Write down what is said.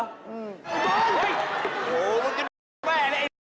โอ้โฮมันกันแม่นี่ไอ้